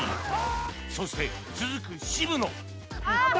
そして続く渋野あっ！